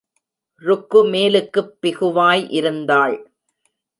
ருக்கு மேலுக்குப் பிகுவாய் இருந்தாள்.